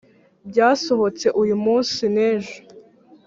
byasohotse uyu munsi nejo